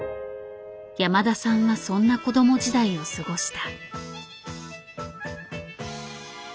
山田さんはそんな子ども時代を過ごした。